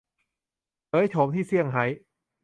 เผยโฉมที่เซี่ยงไฮ้